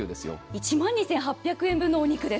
１万２８００円のお肉です。